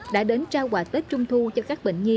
đã đến trao quà tết trung thu cho các bệnh nhi